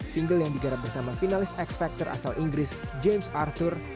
single yang digarap bersama finalis x factor asal inggris james arthur